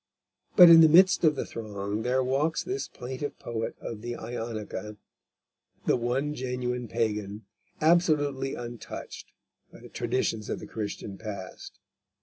But in the midst of the throng there walks this plaintive poet of the Ionica, the one genuine Pagan, absolutely untouched by the traditions of the Christian past.